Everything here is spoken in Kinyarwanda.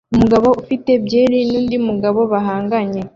Umugabo ufite byeri nundi mugabo bahanganye